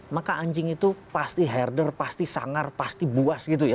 maka anjing itu pasti herder pasti sangar pasti buas gitu ya